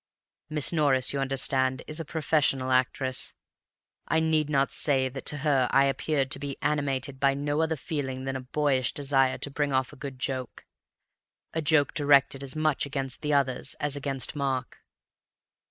Miss Norris, you understand, is a professional actress. I need not say that to her I appeared to be animated by no other feeling than a boyish desire to bring off a good joke—a joke directed as much against the others as against Mark.